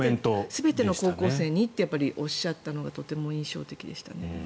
全ての高校生にっておっしゃったのがとても印象的でしたね。